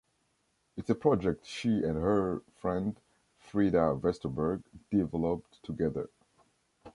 It's a project she and her friend Frida Vesterberg developed together.